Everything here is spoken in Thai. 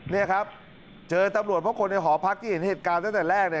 นี่ครับเจอตำรวจเพราะคนในหอพักที่เห็นเหตุการณ์ตั้งแต่แรกเนี่ย